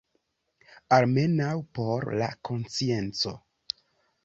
Almenaŭ por la konscienco.